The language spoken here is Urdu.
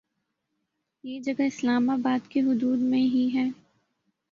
یہ جگہ اسلام آباد کی حدود میں ہی ہے